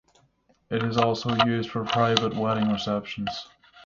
It is also used for private wedding receptions.